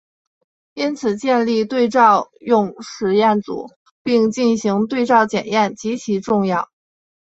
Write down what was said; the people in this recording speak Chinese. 因此建立对照用实验组并进行对照检验极其重要。